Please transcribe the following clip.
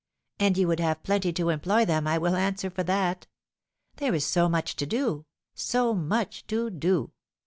"And you would have plenty to employ them, I will answer for that. There is so much to do, so much to do!